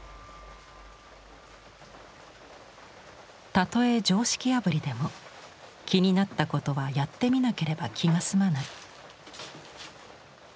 たとえ常識破りでも気になったことはやってみなければ気が済まない。